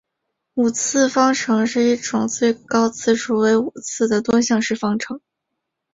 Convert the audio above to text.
五次方程是一种最高次数为五次的多项式方程。